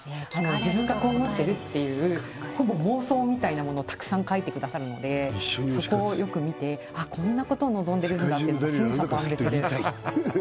自分がこう思ってるっていうほぼ妄想みたいなものをたくさん書いてくださるのでそこをよく見てあこんなことを望んでるんだっていうのが千差万別です